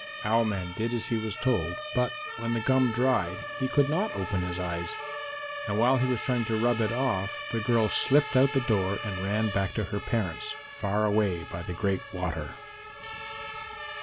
Owl man did as he was told, but when the gum dried he could not open his eyes, and while he was trying to rub it off, the girl slipped out the door and ran back to her parents, far away by the Great Water.